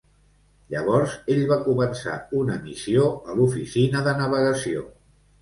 Llavors ell va començar una missió a l'Oficina de Navegació.